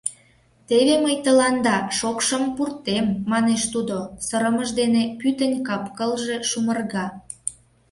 Теве мый тыланда шокшым пуртем! — манеш тудо, сырымыж дене пӱтынь кап-кылже шумырга.